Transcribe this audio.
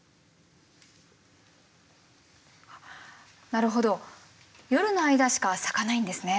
なるほど夜の間しか咲かないんですね。